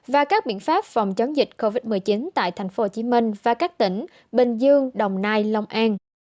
và các biện pháp phòng chống dịch covid một mươi chín tại tp hcm và các tỉnh bình dương đồng nai long an